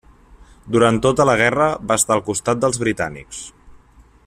Durant tota la guerra va estar al costat dels britànics.